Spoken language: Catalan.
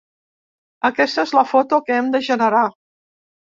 Aquesta és la foto que hem de generar.